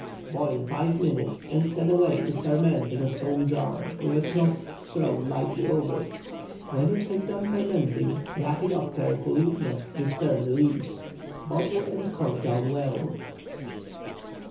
Boil five minutes, and set away to ferment in a stone jar, with a cloth thrown lightly over it. When it has done fermenting, rack it off carefully, not to disturb the lees. Bottle and cork down well.